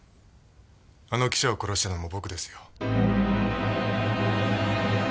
あの記者を殺したのも僕ですよ。